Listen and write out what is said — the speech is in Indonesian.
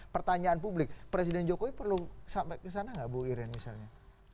pertanyaan publik presiden jokowi perlu sampai kesana gak bu iren misalnya